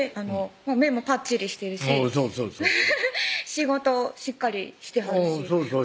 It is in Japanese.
目もぱっちりしてるしそうそうそう仕事しっかりしてはるしそうそう